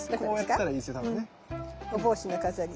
お帽子の飾り。